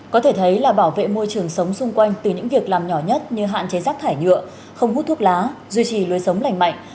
có thể thấy là bảo vệ môi trường sống xung quanh từ những việc làm nhỏ nhất như hạn chế rác thải nhựa không hút thuốc lá duy trì lối sống lành mạnh